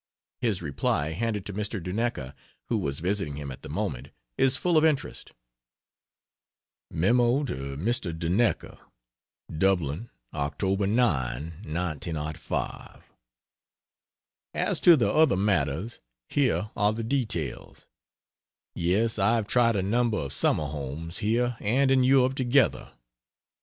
His reply, handed to Mr. Duneka, who was visiting him at the moment, is full of interest. Mem. for Mr. Duneka: DUBLIN, Oct. 9, 1905. ... As to the other matters, here are the details. Yes, I have tried a number of summer homes, here and in Europe together.